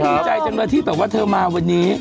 ดีใจจังเลยที่แบบว่าเธอมาวันนี้